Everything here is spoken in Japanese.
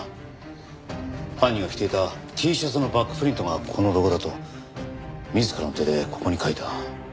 犯人が着ていたＴシャツのバックプリントがこのロゴだと自らの手でここに描いた。